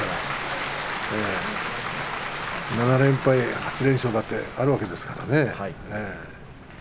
７連敗８連勝だってあるわけですから。